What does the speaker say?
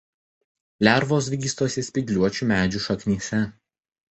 Lervos vystosi spygliuočių medžių šaknyse.